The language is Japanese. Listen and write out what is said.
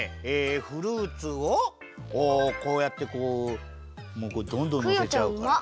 フルーツをこうやってこうどんどんのせちゃうから。